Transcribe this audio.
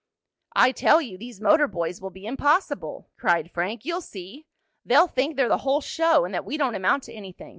"I tell you these motor boys will be impossible!" cried Frank. "You'll see! They'll think they're the whole show, and that we don't amount to anything.